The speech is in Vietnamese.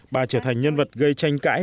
bà trở thành nhân vật gây tranh cãi